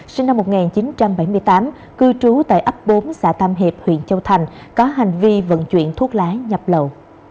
sinh năm một nghìn chín trăm bảy mươi tám cư trú tại ấp bốn xã tam hiệp huyện châu thành có hành vi vận chuyển thuốc lá nhập lậu